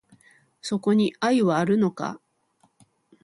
そこに愛はあるのか